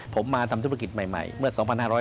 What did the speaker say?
ผมมาทำธุรกิจใหม่เมื่อ๒๕๕๙